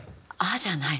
「あ」じゃない？